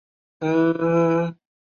我最牵挂的还是困难群众。